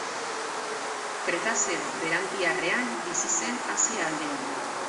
Kretazeo Berantiarrean bizi zen Asia aldean.